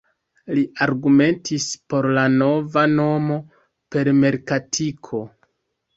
Li argumentis por la nova nomo per merkatiko.